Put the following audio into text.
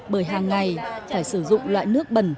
bởi hàng ngày phải sử dụng loại nước bẩn